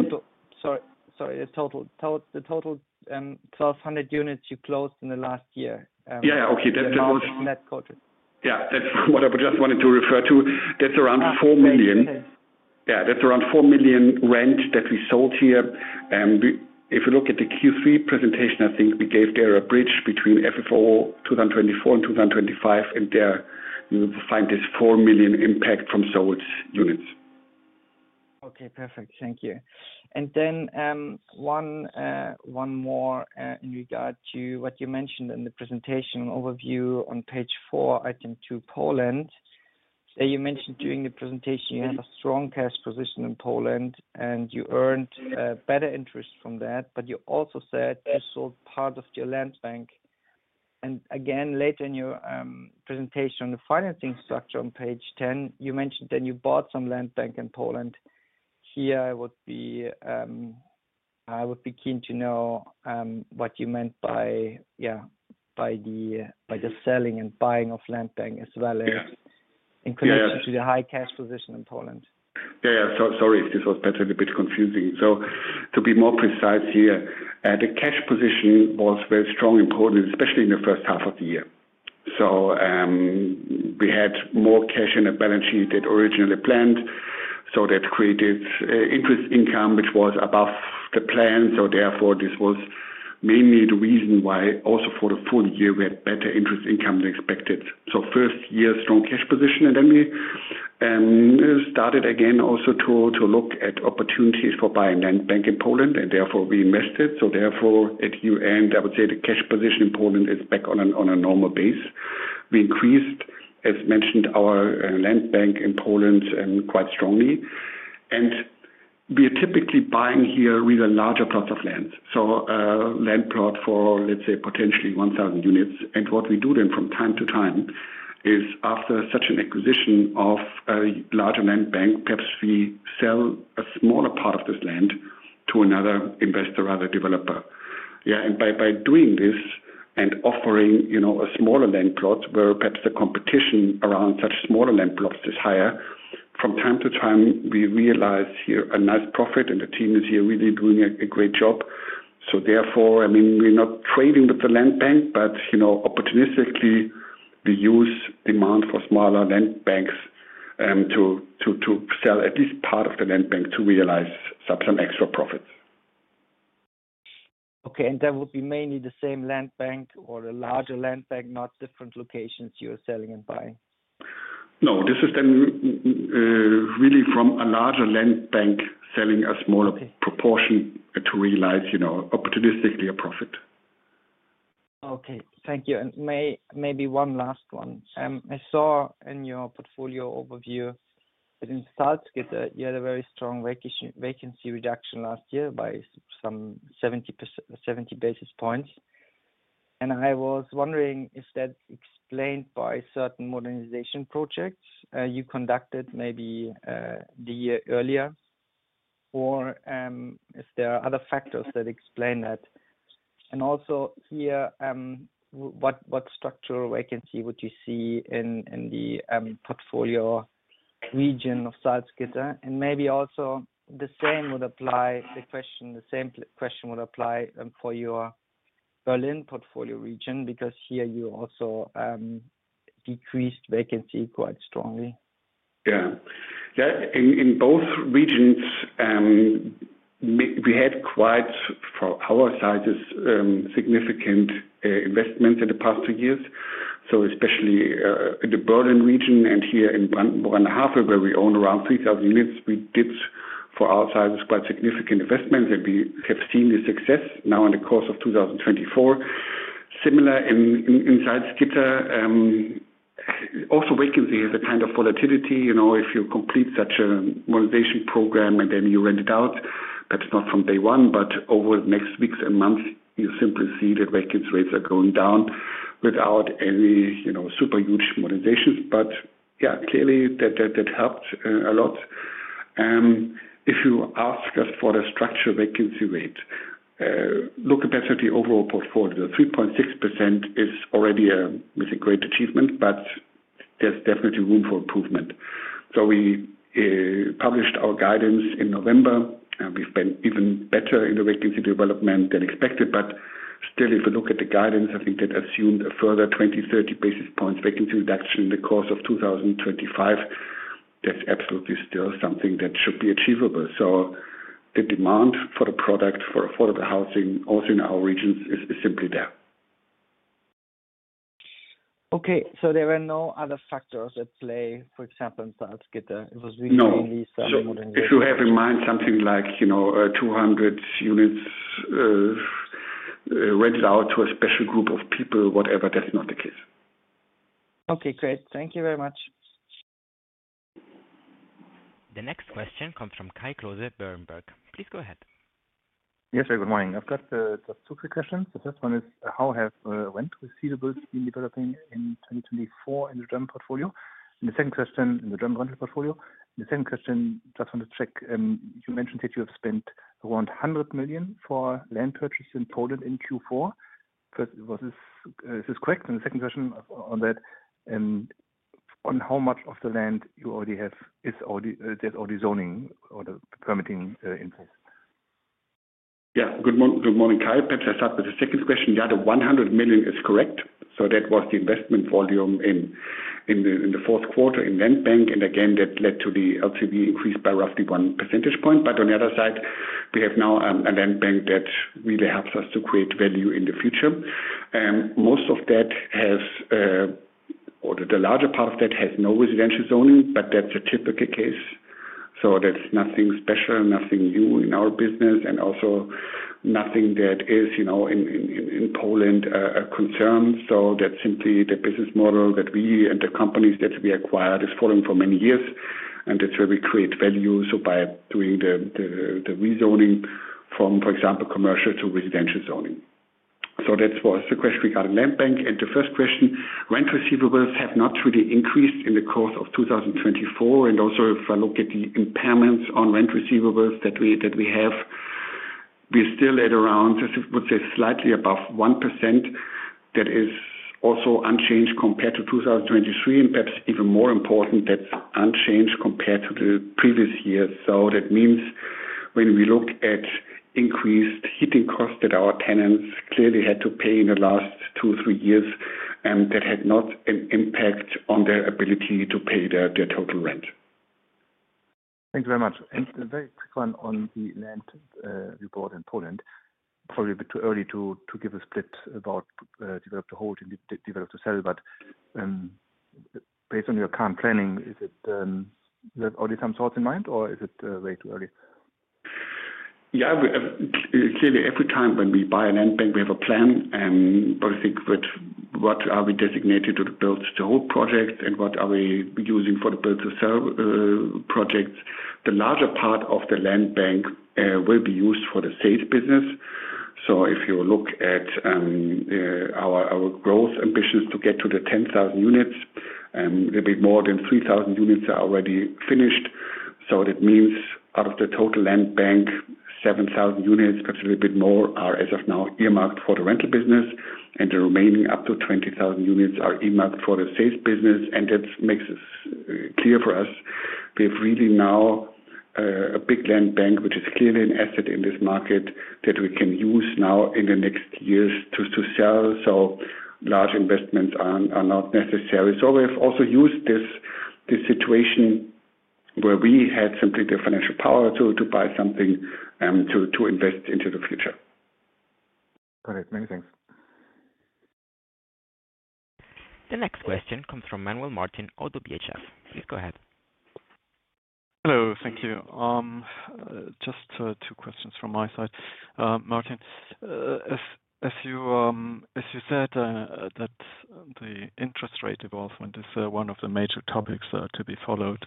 Sorry. Sorry. The total 1,200 units you closed in the last year. Yeah. Okay. That was. Yeah. That's what I just wanted to refer to. That's around 4 million. Yeah. That's around 4 million rent that we sold here. If you look at the Q3 presentation, I think we gave there a bridge between FFO 2024 and 2025. There you will find this 4 million impact from sold units. Perfect. Thank you. One more in regard to what you mentioned in the presentation overview on page four, item two, Poland. You mentioned during the presentation you had a strong cash position in Poland. You earned better interest from that. You also said you sold part of your land bank. Later in your presentation on the financing structure on page 10, you mentioned that you bought some land bank in Poland. Here, I would be keen to know what you meant by the selling and buying of land bank as well as in connection to the high cash position in Poland. Yeah. Sorry if this was perhaps a little bit confusing. To be more precise here, the cash position was very strong in Poland, especially in the first half of the year. We had more cash in the balance sheet than originally planned. That created interest income, which was above the plan. Therefore, this was mainly the reason why also for the full year, we had better interest income than expected. First year, strong cash position. Then we started again also to look at opportunities for buying land bank in Poland. Therefore, we invested. At year-end, I would say the cash position in Poland is back on a normal base. We increased, as mentioned, our land bank in Poland quite strongly. We are typically buying here with a larger plot of land, so a land plot for, let's say, potentially 1,000 units. What we do then from time to time is after such an acquisition of a larger land bank, perhaps we sell a smaller part of this land to another investor or other developer. Yeah. By doing this and offering a smaller land plot where perhaps the competition around such smaller land plots is higher, from time to time, we realize here a nice profit. The team is here really doing a great job. Therefore, I mean, we're not trading with the land bank, but opportunistically, we use demand for smaller land banks to sell at least part of the land bank to realize some extra profits. Okay. That would be mainly the same land bank or a larger land bank, not different locations you're selling and buying? No. This is then really from a larger land bank selling a smaller proportion to realize opportunistically a profit. Okay. Thank you. Maybe one last one. I saw in your portfolio overview that in Salzgitter, you had a very strong vacancy reduction last year by some 70 basis points. I was wondering if that's explained by certain modernization projects you conducted maybe the year earlier, or if there are other factors that explain that. Also here, what structural vacancy would you see in the portfolio region of Salzgitter? Maybe also the same would apply, the same question would apply for your Berlin portfolio region because here you also decreased vacancy quite strongly. Yeah. In both regions, we had quite, for our sizes, significant investments in the past two years. Especially in the Berlin region and here in Brandenburg an de Havel, where we own around 3,000 units, we did, for our sizes, quite significant investments. We have seen the success now in the course of 2024. Similar in Salzgitter, also vacancy is a kind of volatility. If you complete such a modernization program and then you rent it out, perhaps not from day one, but over the next weeks and months, you simply see that vacancy rates are going down without any super huge modernizations. Yeah, clearly, that helped a lot. If you ask us for the structure vacancy rate, look at the overall portfolio. 3.6% is already a great achievement, but there is definitely room for improvement. We published our guidance in November. We have been even better in the vacancy development than expected. Still, if you look at the guidance, I think that assumed a further 20-30 basis points vacancy reduction in the course of 2025. That is absolutely still something that should be achievable. The demand for the product for affordable housing also in our regions is simply there. Okay. There were no other factors at play, for example, in Salzgitter. It was really mainly some modernization. No. If you have in mind something like 200 units rented out to a special group of people, whatever, that's not the case. Okay. Great. Thank you very much. The next question comes from Kai Klose, Berenberg. Please go ahead. Yes, sir. Good morning. I've got just two quick questions. The first one is, how have rent receivables been developing in 2024 in the German portfolio? The second question, in the German rental portfolio. The second question, just want to check, you mentioned that you have spent around 100 million for land purchase in Poland in Q4. Is this correct? The second question on that, on how much of the land you already have, there's already zoning or the permitting in place? Yeah. Good morning, Kai. Perhaps I start with the second question. Yeah, the 100 million is correct. That was the investment volume in the fourth quarter in land bank. Again, that led to the LTV increase by roughly 1 percentage point. On the other side, we have now a land bank that really helps us to create value in the future. Most of that has or the larger part of that has no residential zoning, but that is a typical case. That is nothing special, nothing new in our business, and also nothing that is in Poland a concern. That is simply the business model that we and the companies that we acquired are following for many years. That is where we create value by doing the rezoning from, for example, commercial to residential zoning. That was the question regarding land bank. The first question, rent receivables have not really increased in the course of 2024. Also, if I look at the impairments on rent receivables that we have, we're still at around, I would say, slightly above 1%. That is also unchanged compared to 2023. Perhaps even more important, that's unchanged compared to the previous year. That means when we look at increased heating costs that our tenants clearly had to pay in the last two, three years, that had not an impact on their ability to pay their total rent. Thank you very much. A very quick one on the land report in Poland. Probably a bit too early to give a split about developed to hold and developed to sell. Based on your current planning, is it already some thoughts in mind, or is it way too early? Yeah. Clearly, every time when we buy a land bank, we have a plan. I think what are we designated to build-to-hold projects and what are we using for the build-to-sell projects, the larger part of the land bank will be used for the sales business. If you look at our growth ambitions to get to the 10,000 units, a little bit more than 3,000 units are already finished. That means out of the total land bank, 7,000 units, perhaps a little bit more, are as of now earmarked for the rental business. The remaining up to 20,000 units are earmarked for the sales business. That makes it clear for us. We have really now a big land bank, which is clearly an asset in this market that we can use now in the next years to sell. Large investments are not necessary. We have also used this situation where we had simply the financial power to buy something to invest into the future. Got it. Many thanks. The next question comes from Manuel Martin of BHF Bank. Please go ahead. Hello. Thank you. Just two questions from my side. Martin, as you said, that the interest rate evolvement is one of the major topics to be followed.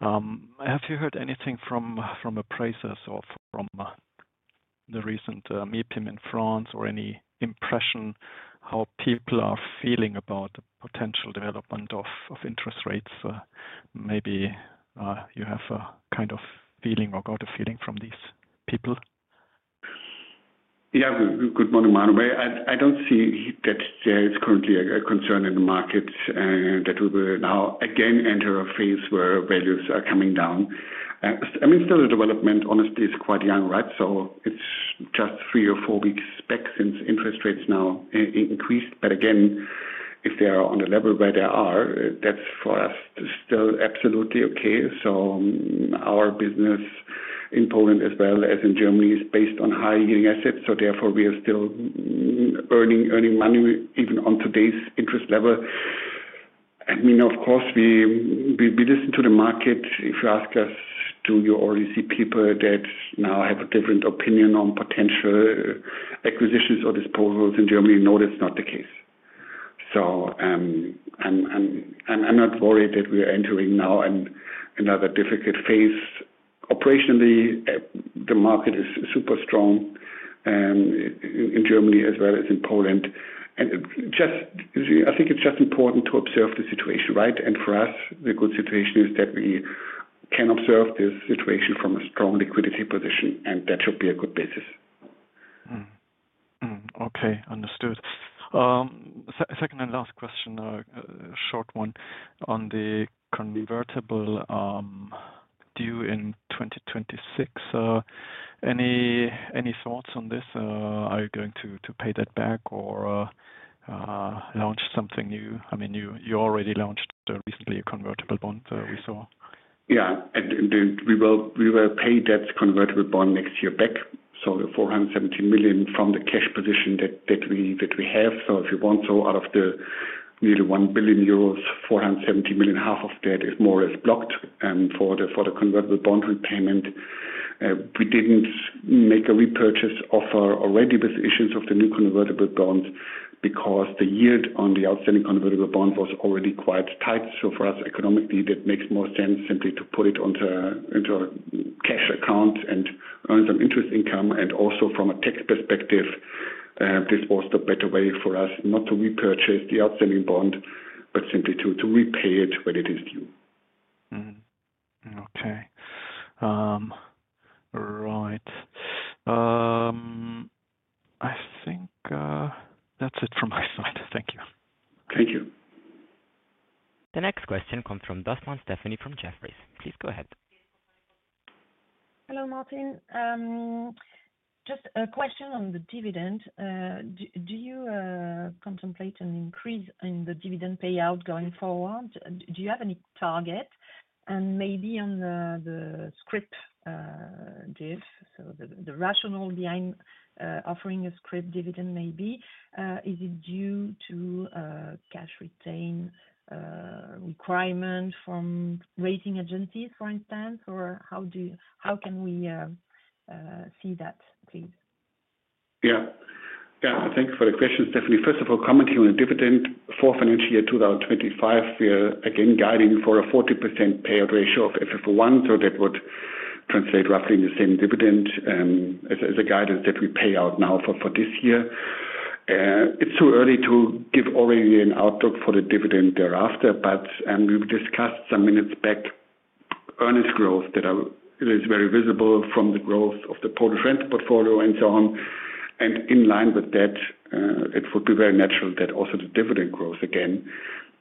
Have you heard anything from appraisers or from the recent MIPIM in France or any impression how people are feeling about the potential development of interest rates? Maybe you have a kind of feeling or got a feeling from these people? Yeah. Good morning, Manuel. I do not see that there is currently a concern in the market that we will now again enter a phase where values are coming down. I mean, still, the development, honestly, is quite young, right? It is just three or four weeks back since interest rates now increased. Again, if they are on the level where they are, that is for us still absolutely okay. Our business in Poland, as well as in Germany, is based on high-yielding assets. Therefore, we are still earning money even on today's interest level. I mean, of course, we listen to the market. If you ask us, do you already see people that now have a different opinion on potential acquisitions or disposals in Germany? No, that is not the case. I am not worried that we are entering now in another difficult phase. Operationally, the market is super strong in Germany, as well as in Poland. I think it is just important to observe the situation, right? For us, the good situation is that we can observe this situation from a strong liquidity position. That should be a good basis. Okay. Understood. Second and last question, short one on the convertible due in 2026. Any thoughts on this? Are you going to pay that back or launch something new? I mean, you already launched recently a convertible bond we saw. Yeah. We will pay that convertible bond next year back. 470 million from the cash position that we have. If you want, out of the nearly 1 billion euros, 470 million, half of that is more or less blocked for the convertible bond repayment. We did not make a repurchase offer already with the issues of the new convertible bonds because the yield on the outstanding convertible bond was already quite tight. For us, economically, that makes more sense simply to put it into a cash account and earn some interest income. Also, from a tax perspective, this was the better way for us not to repurchase the outstanding bond, but simply to repay it when it is due. Okay. Right. I think that's it from my side. Thank you. Thank you. The next question comes from Stephanie Dossmann from Jefferies. Please go ahead. Hello, Martin. Just a question on the dividend. Do you contemplate an increase in the dividend payout going forward? Do you have any target? And maybe on the scrip div, so the rationale behind offering a scrip dividend maybe, is it due to cash retain requirement from rating agencies, for instance? Or how can we see that, please? Yeah. Yeah. Thank you for the question, Stephanie. First of all, commenting on the dividend for financial year 2025, we're again guiding for a 40% payout ratio of FFO1. That would translate roughly in the same dividend as a guidance that we pay out now for this year. It's too early to give already an outlook for the dividend thereafter, but we've discussed some minutes back earnings growth that is very visible from the growth of the Polish rental portfolio and so on. In line with that, it would be very natural that also the dividend grows again.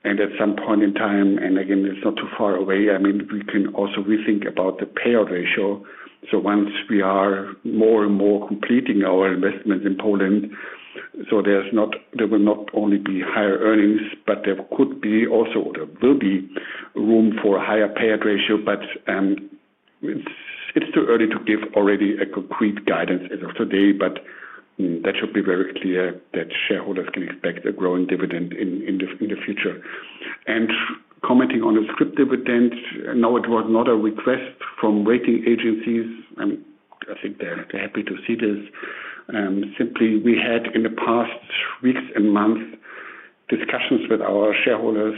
At some point in time, and again, it's not too far away, I mean, we can also rethink about the payout ratio. Once we are more and more completing our investments in Poland, there will not only be higher earnings, but there could be also or there will be room for a higher payout ratio. It is too early to give already a concrete guidance as of today, but that should be very clear that shareholders can expect a growing dividend in the future. Commenting on the SCRIP dividend, no, it was not a request from rating agencies. I mean, I think they are happy to see this. Simply, we had in the past weeks and months discussions with our shareholders.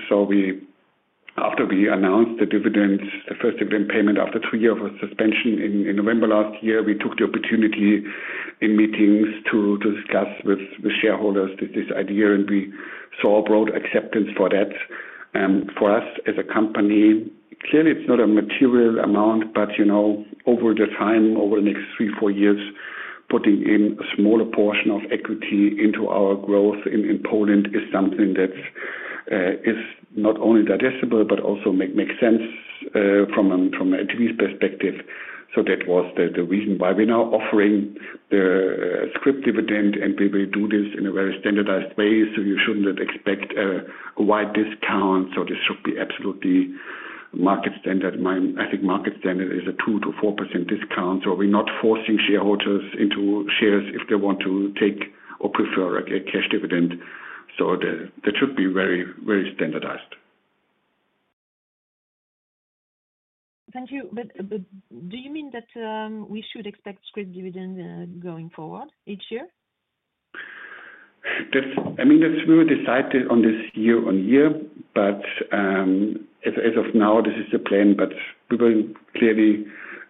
After we announced the dividends, the first dividend payment after three years of suspension in November last year, we took the opportunity in meetings to discuss with shareholders this idea, and we saw broad acceptance for that. For us as a company, clearly, it's not a material amount, but over the time, over the next three, four years, putting in a smaller portion of equity into our growth in Poland is something that is not only digestible, but also makes sense from an activity perspective. That was the reason why we're now offering the scrip dividend, and we will do this in a very standardized way. You shouldn't expect a wide discount. This should be absolutely market standard. I think market standard is a 2%-4% discount. We're not forcing shareholders into shares if they want to take or prefer a cash dividend. That should be very, very standardized. Thank you. Do you mean that we should expect scrip dividend going forward each year? I mean, that's where we decide on this year-on-year. As of now, this is the plan, but we will clearly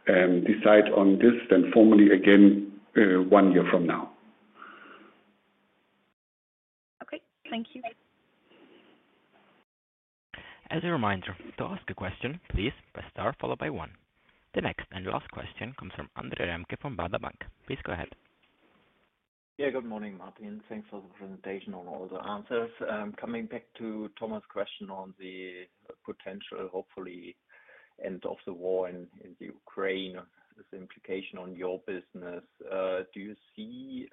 decide on this then formally again one year from now. Okay. Thank you. As a reminder, to ask a question, please press star followed by one. The next and last question comes from Andre Remke from Baader Bank. Please go ahead. Yeah. Good morning, Martin. Thanks for the presentation on all the answers. Coming back to Thomas' question on the potential, hopefully, end of the war in Ukraine, the implication on your business, do you see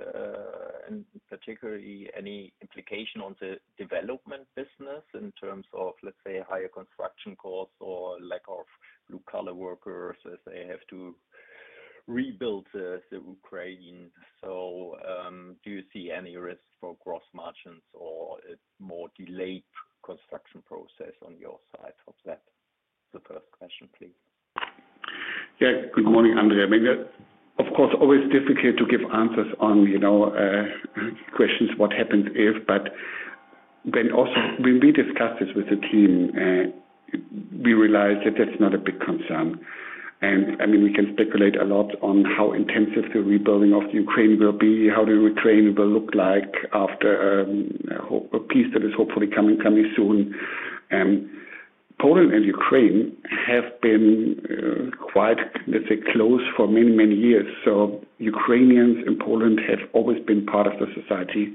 particularly any implication on the development business in terms of, let's say, higher construction costs or lack of blue-collar workers as they have to rebuild Ukraine? Do you see any risk for gross margins or a more delayed construction process on your side of that? The first question, please. Yeah. Good morning, Andre. I mean, of course, always difficult to give answers on questions what happens if. When we discuss this with the team, we realize that that's not a big concern. I mean, we can speculate a lot on how intensive the rebuilding of Ukraine will be, how the Ukraine will look like after a peace that is hopefully coming soon. Poland and Ukraine have been quite, let's say, close for many, many years. Ukrainians in Poland have always been part of the society.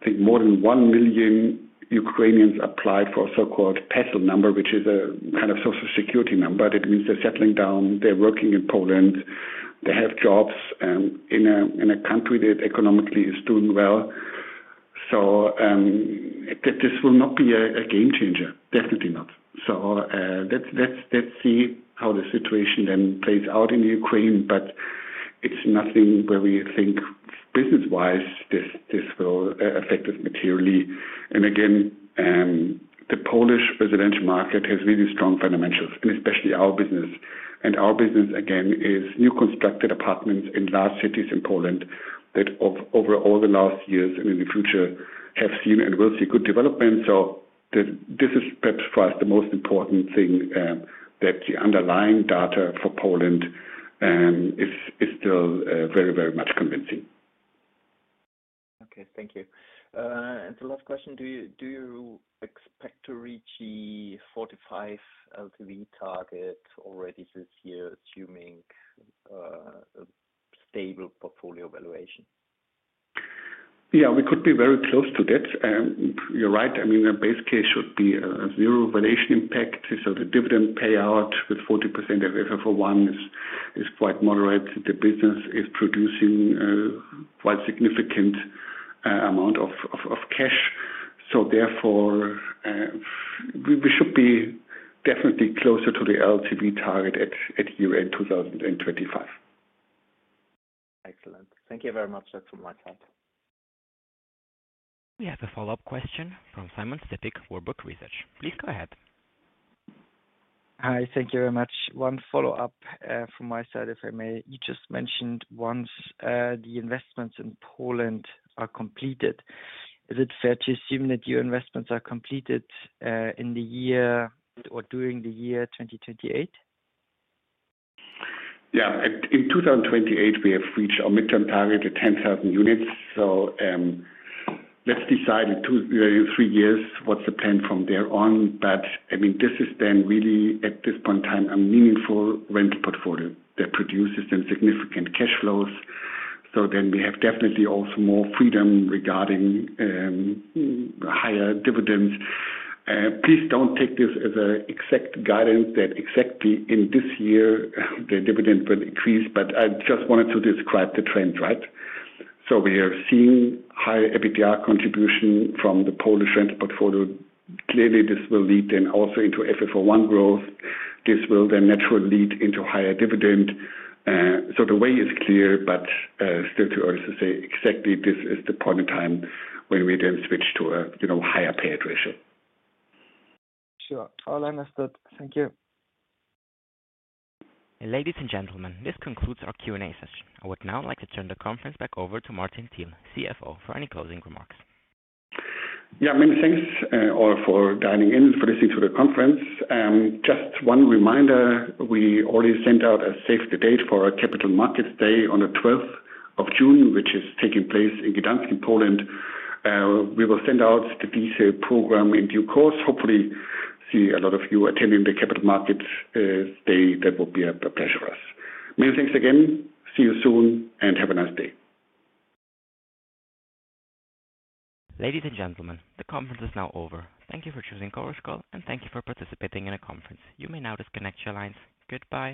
I think more than one million Ukrainians apply for a so-called PESEL number, which is a kind of social security number. That means they're settling down, they're working in Poland, they have jobs in a country that economically is doing well. This will not be a game changer, definitely not. Let's see how the situation then plays out in Ukraine. It is nothing where we think business-wise this will affect us materially. Again, the Polish residential market has really strong fundamentals, and especially our business. Our business, again, is new constructed apartments in large cities in Poland that over all the last years and in the future have seen and will see good development. This is perhaps for us the most important thing, that the underlying data for Poland is still very, very much convincing. Okay. Thank you. The last question, do you expect to reach the 45% LTV target already this year, assuming a stable portfolio valuation? Yeah. We could be very close to that. You're right. I mean, the base case should be zero valuation impact. The dividend payout with 40% of FFO1 is quite moderate. The business is producing quite a significant amount of cash. Therefore, we should be definitely closer to the LTV target at year-end 2025. Excellent. Thank you very much. That's from my side. We have a follow-up question from Simon Stippig, Warburg Research. Please go ahead. Hi. Thank you very much. One follow-up from my side, if I may. You just mentioned once the investments in Poland are completed. Is it fair to assume that your investments are completed in the year or during the year 2028? Yeah. In 2028, we have reached our midterm target of 10,000 units. Let's decide in two or three years what is the plan from there on. I mean, this is then really, at this point in time, a meaningful rental portfolio that produces significant cash flows. We have definitely also more freedom regarding higher dividends. Please do not take this as an exact guidance that exactly in this year, the dividend will increase. I just wanted to describe the trend, right? We are seeing higher EBITDA contribution from the Polish rental portfolio. Clearly, this will lead then also into FFO1 growth. This will then naturally lead into higher dividend. The way is clear, but still to say exactly this is the point in time when we then switch to a higher payout ratio. Sure. All understood. Thank you. Ladies and gentlemen, this concludes our Q&A session. I would now like to turn the conference back over to Martin Thiel, CFO, for any closing remarks. Yeah. Many thanks all for dialing in, for listening to the conference. Just one reminder, we already sent out a save the date for our Capital Markets Day on the 12th of June, which is taking place in Gdańsk, in Poland. We will send out the Visa program in due course. Hopefully, see a lot of you attending the Capital Markets Day. That will be a pleasure for us. Many thanks again. See you soon and have a nice day. Ladies and gentlemen, the conference is now over. Thank you for choosing Chorus Call, and thank you for participating in a conference. You may now disconnect your lines. Goodbye.